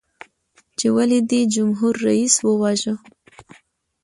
چې ولې دې جمهور رئیس وواژه؟